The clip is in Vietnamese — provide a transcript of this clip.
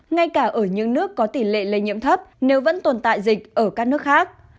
ngay cả ở những nước có tỷ lệ lây nhiễm thấp nếu vẫn tồn tại dịch ở các nước khác